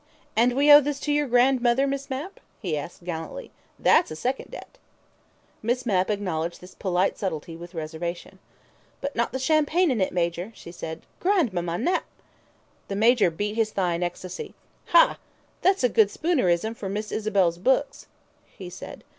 "And we owe this to your grandmother, Miss Mapp?" he asked gallantly. "That's a second debt." Miss Mapp acknowledged this polite subtlety with a reservation. "But not the champagne in it, Major," she said. "Grandmamma Nap " The Major beat his thigh in ecstasy. "Ha! That's a good Spoonerism for Miss Isabel's book," he said.